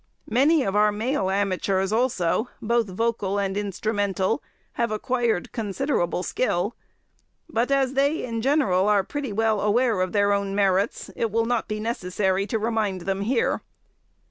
Many of our male amateurs also, both vocal and instrumental, have acquired considerable skill; but as they in general are pretty well aware of their own merits, it will not be necessary to remind them here.